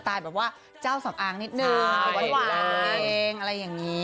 สไตล์แบบว่าเจ้าสำอางนิดหนึ่งสวัสดีค่ะอะไรอย่างงี้